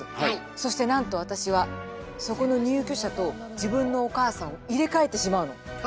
そしてなんと私はそこの入居者と自分のお母さんを入れ替えてしまうの！